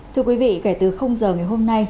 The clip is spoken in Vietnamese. thưa quý vị kể từ giờ ngày hôm nay